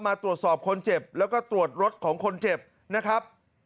มาตรวจสอบคนเจ็บแล้วก็ตรวจรถของคนเจ็บนะครับ